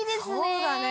◆そうだね。